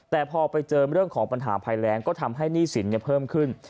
แต่พอไปเจอเรื่องของปัญหาภัยแรงก็ทำให้หนี้สินเพิ่มขึ้น